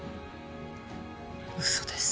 嘘です。